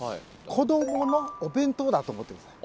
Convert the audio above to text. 子どものお弁当だと思って下さい。